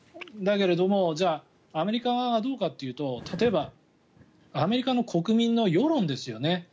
だけど、じゃあアメリカ側がどうかというと例えばアメリカの国民の世論ですよね。